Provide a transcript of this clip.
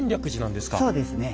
そうですね。